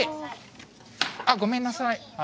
あっ、ごめんなさい。